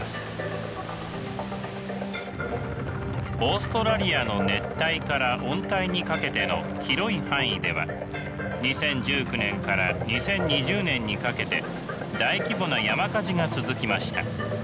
オーストラリアの熱帯から温帯にかけての広い範囲では２０１９年から２０２０年にかけて大規模な山火事が続きました。